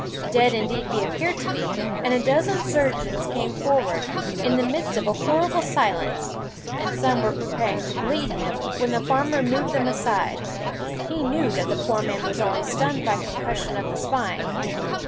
Dead indeed he appeared to be, and a dozen surgeons came forward, in the midst of a horrible silence, and some were preparing to bleed him, when the farmer moved them aside; he knew that the poor man was only stunned by concussion of the spine.